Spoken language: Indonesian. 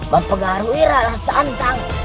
mempengaruhi rara santang